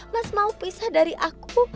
mas mau pisah dari aku